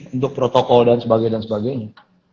untuk protokol dan sebagainya